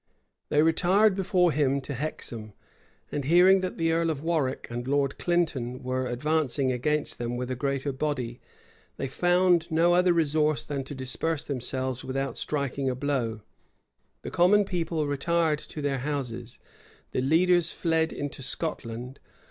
They retired before him to Hexham; and hearing that the earl of Warwick and Lord Clinton were advancing against them with a greater body, they found no other resource than to disperse themselves without striking a blow. The common people retired to their houses: the leaders fled into Scotland.